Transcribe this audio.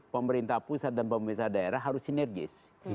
pemerintah pusat dan pemerintah daerah harus sinergis